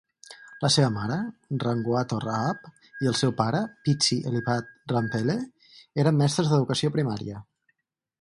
La seva mare, Rangoato Rahab, i el seu pare, Pitsi Eliphaz Ramphele, eren mestres d'educació primària.